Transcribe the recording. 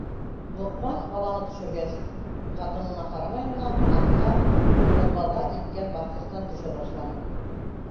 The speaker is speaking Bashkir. Лоҡман, баланы төшөргәс, ҡатынына ҡарамай ғына, аҫҡа - подвалға илткән баҫҡыстан төшә башланы.